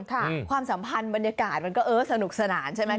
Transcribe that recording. ความสัมพันธ์บรรยากาศมันก็เออสนุกสนานใช่ไหม